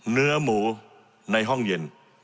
เนื้อหมูในห้องเย็น